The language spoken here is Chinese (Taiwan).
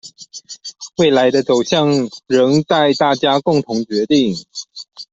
未來的走向仍待大家共同決定